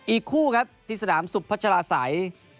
อีกคู่ครับที่สนามสุพัชราศัย